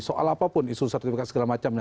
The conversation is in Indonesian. soal apapun isu sertifikat segala macam